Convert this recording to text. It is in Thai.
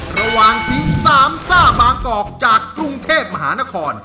ระหว่างทีมสามซ่าบางกอกจากกรุงเทพมหานคร